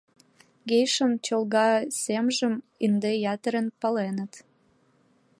«Гейшан» чолга семжым ынде ятырын паленыт.